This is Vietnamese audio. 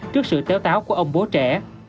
trước sự téo táo của ông bố trẻ